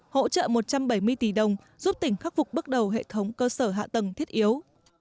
hỗ trợ một trăm bảy mươi tỷ đồng giúp tỉnh khắc phục bước đầu hệ thống cơ sở hạ tầng thiết yếu